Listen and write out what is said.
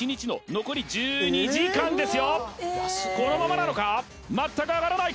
残り２時間です